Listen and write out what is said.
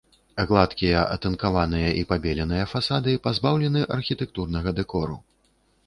Гладкія атынкаваныя і пабеленыя фасады пазбаўлены архітэктурнага дэкору.